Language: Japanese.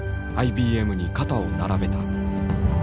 ＩＢＭに肩を並べた。